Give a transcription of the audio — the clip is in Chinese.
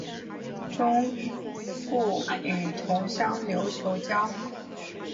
钟复与同乡刘球交好。